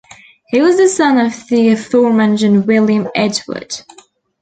He was the son of the aforementioned William Edward.